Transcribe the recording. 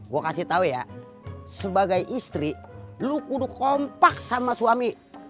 gue kasih tau ya sebagai istri lo udah kompak sama suami